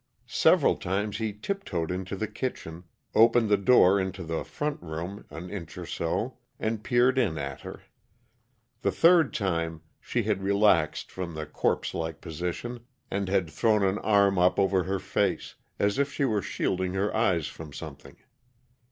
Several times he tiptoed into the kitchen, opened the door into the front room an inch or so, and peered in at her. The third time, she had relaxed from the corpselike position, and had thrown an arm up over her face, as if she were shielding her eyes from something.